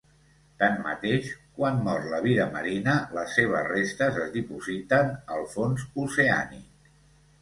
Tanmateix, quan mor la vida marina, les seves restes es dipositen al fons oceànic.